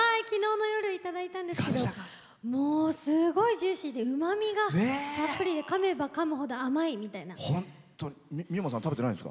きのうの夜いただいたんですけどもう、すごいジューシーでうまみがたっぷりでかめばかむほど甘いみたいな。